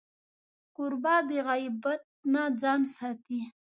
کوربه د غیبت نه ځان ساتي.